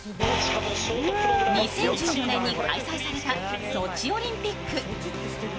２０１５年に開催されたソチオリンピック。